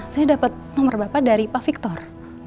saya dapat nomor bapak dari pak victor